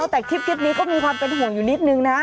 แต่คลิปนี้ก็มีความเป็นห่วงอยู่นิดนึงนะ